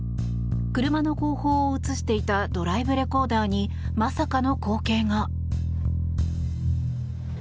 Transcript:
車の後方を映していたドライブレコーダーにまさかの光景が。